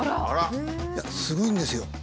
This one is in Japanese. あら！いやすごいんですよ！